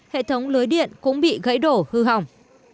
hệ thống lưới điện cũng bị gãy đổ hư hỏng